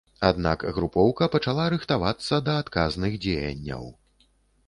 Аднак групоўка пачала рыхтавацца да адказных дзеянняў.